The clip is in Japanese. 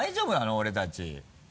俺たち。